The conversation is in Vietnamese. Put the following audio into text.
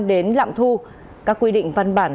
đến lạm thu các quy định văn bản